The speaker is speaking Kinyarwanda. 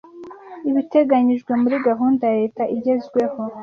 ibiteganyijwe muri gahunda ya leta igezweho